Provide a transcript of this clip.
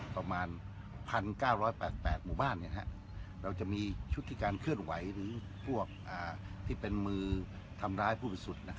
ประมาณ๑๙๘๘หมู่บ้านเราจะมีชุดที่การเคลื่อนไหวหรือพวกที่เป็นมือทำร้ายผู้บริสุทธิ์